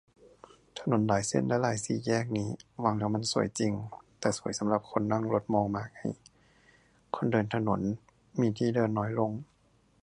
ถนนหลายเส้นและหลายสี่แยกนี่วางแล้วมันสวยจริง แต่สวยสำหรับคนนั่งรถมองมาไง คนเดินถนนมีที่เดินน้อยลง